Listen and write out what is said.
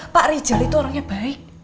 pak rizal itu orangnya baik